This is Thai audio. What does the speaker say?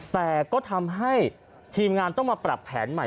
แต่ก็ทำให้ทีมงานต้องมาปรับแผนใหม่